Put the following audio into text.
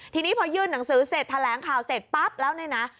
ทีนี้พอยื่นหนังสือเสร็จแถลงข่าวเสร็จปั๊บแล้วเนี่ยนะ